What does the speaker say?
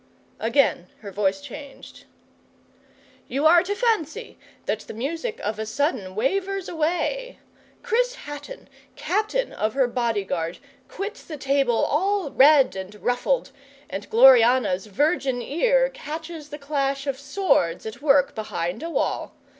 Again her voice changed. 'You are to fancy that the music of a sudden wavers away. Chris Hatton, Captain of her bodyguard, quits the table all red and ruffled, and Gloriana's virgin ear catches the clash of swords at work behind a wall.